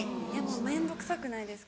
面倒くさくないですか？